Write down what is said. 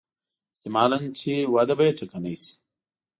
احتمالاً چې وده به یې ټکنۍ شي.